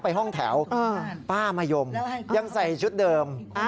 ไปห้องแถวป้ามะยมยังใส่ชุดเดิม